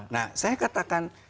nah saya katakan